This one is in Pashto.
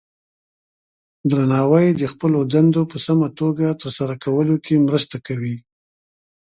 درناوی د خپلو دندو په سمه توګه ترسره کولو کې مرسته کوي.